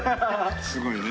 すごいね。